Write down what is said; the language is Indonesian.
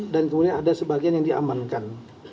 dan kemudian ada sebagian yang diamankan